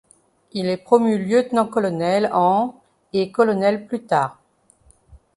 Il est promu lieutenant-colonel en et colonel plus tard.